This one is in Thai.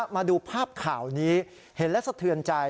มาดูภาพข่าวนี้เห็นและสะเทือนใจ